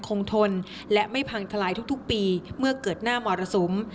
ทนและไม่พังทลายทุกปีเมื่อเกิดหน้ามรสุม